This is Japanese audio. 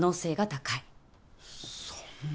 そんな。